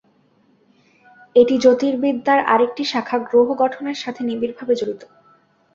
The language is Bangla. এটি জ্যোতির্বিদ্যার আরেকটি শাখা, গ্রহ গঠনের সাথে নিবিড় ভাবে জড়িত।